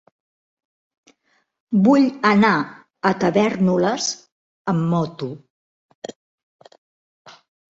Vull anar a Tavèrnoles amb moto.